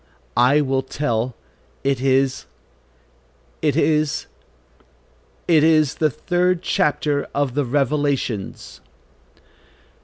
I will tell, it is, it is, it is the third chapter of the Revelations."